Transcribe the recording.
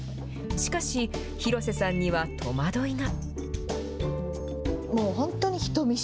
しかし、広瀬さんには戸惑いが。